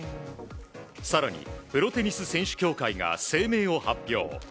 更に、プロテニス選手協会が声明を発表。